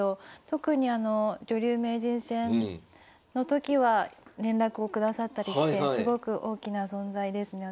特にあの女流名人戦の時は連絡を下さったりしてすごく大きな存在ですね